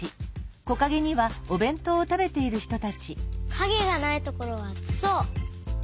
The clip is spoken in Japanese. かげがないところはあつそう。